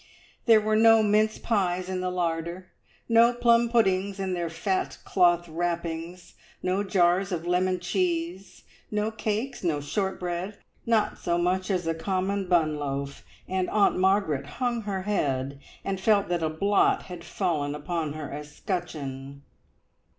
There were no mince pies in the larder, no plum puddings in their fat cloth wrappings, no jars of lemon cheese, no cakes, no shortbread, not so much as a common bun loaf, and Aunt Margaret hung her head, and felt that a blot had fallen upon her escutcheon.